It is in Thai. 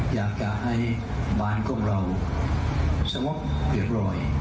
อยากจะให้บ้านของเราสงบเรียบร้อย